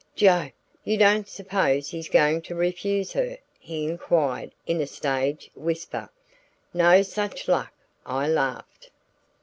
"Jove! You don't suppose he's going to refuse her?" he inquired in a stage whisper. "No such luck," I laughed.